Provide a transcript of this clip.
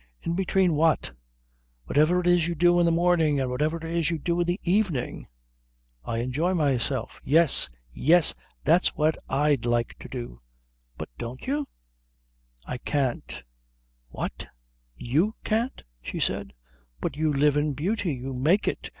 "In between what?" "Whatever it is you do in the morning and whatever it is you do in the evening." "I enjoy myself." "Yes. Yes. That's what I'd like to do." "But don't you?" "I can't." "What you can't?" she said. "But you live in beauty. You make it.